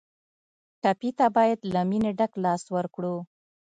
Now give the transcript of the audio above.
ټپي ته باید له مینې ډک لاس ورکړو.